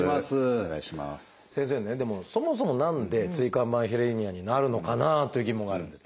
先生ねでもそもそも何で椎間板ヘルニアになるのかなという疑問があるんですけど。